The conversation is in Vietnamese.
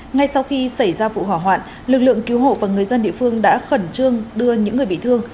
ngay sau khi xảy ra vụ hỏa hoạn lực lượng cứu hộ và người dân địa phương đã khẩn trương đưa những người bị thương